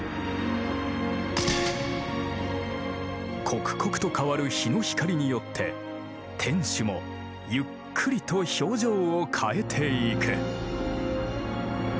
刻々と変わる日の光によって天守もゆっくりと表情を変えていく。